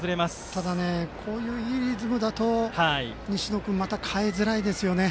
ただ、こういういいリズムだと西野君また、代えづらいですよね。